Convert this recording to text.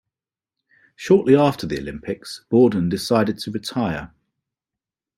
Shortly after the Olympics Bordin decided to retire.